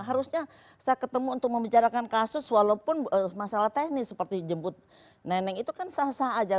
harusnya saya ketemu untuk membicarakan kasus walaupun masalah teknis seperti jemput neneng itu kan sah sah aja